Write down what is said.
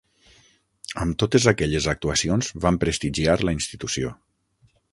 Amb totes aquelles actuacions van prestigiar la institució.